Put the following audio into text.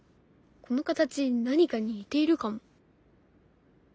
この形何かに似ているかも。